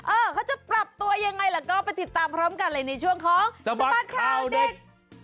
เขาจะปรับตัวยังไงล่ะก็ไปติดตามพร้อมกันเลยในช่วงของสบัดข่าวเด็ก